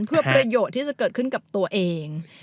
เพื่อประโยชน์ที่จะเกิดขึ้นกับตัวเอง